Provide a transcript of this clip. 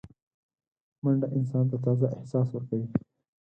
منډه انسان ته تازه احساس ورکوي